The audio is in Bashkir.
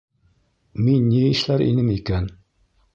Мин ни эшләр инем икән?..